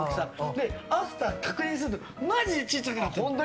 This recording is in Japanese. で、アフターを確認するとマジで小さくなってる。